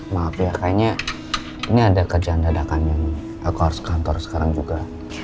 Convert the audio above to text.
maaf ya kayaknya ini ada kerjaan dadakan yang aku harus kantor sekarang juga